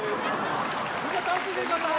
みんな楽しんで下さい。